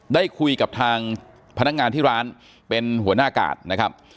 ได้คุยกับทางพนักงานที่ร้านเป็นหัวหน้ากาดนะครับ